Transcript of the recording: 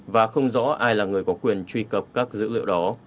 và không rõ ai là người có quyền truy cập các dữ liệu đó